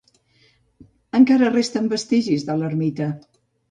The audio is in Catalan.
Encara resten vestigis de l'ermita.